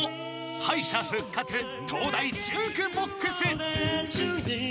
［敗者復活東大ジュークボックス］